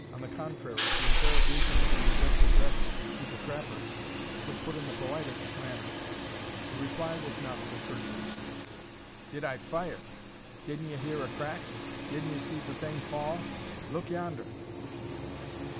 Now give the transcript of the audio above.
On the contrary, the interrogation which he had just addressed to the trapper was put in the politest manner. The reply was not so courteous. "Did I fire! Didn't ye hear a crack? Didn't ye see the thing fall? Look yonder!"